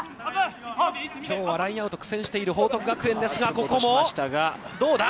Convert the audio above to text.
ラインアウトで苦戦している報徳学園ですが、ここもどうだ。